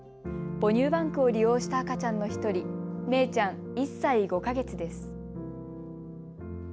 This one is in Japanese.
母乳バンクを利用した赤ちゃんの１人、めいちゃん、１歳５か月です。